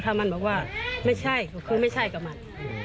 ถ้ามันบอกว่าไม่ใช่ก็คือไม่ใช่กับมัน